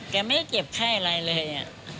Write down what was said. แกไม่เก็บไข้อะไรเลย